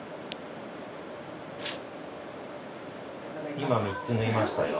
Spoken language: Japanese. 今３つ縫いましたよ。